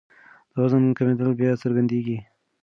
د وزن کمېدل بیا څرګندېږي.